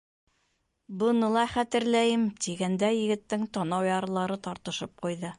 — Быны ла хәтерләйем, — тигәндә егеттең танау ярылары тартышып ҡуйҙы.